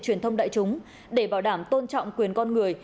truyền thông đại chúng để bảo đảm tôn trọng quyền con người